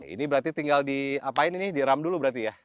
ini berarti tinggal diapain ini diream dulu berarti ya